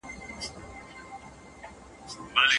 د څارویو واکسین کول اړین دي.